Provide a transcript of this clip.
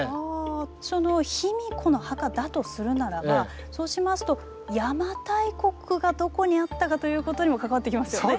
その卑弥呼の墓だとするならばそうしますと邪馬台国がどこにあったかということにも関わってきますよね。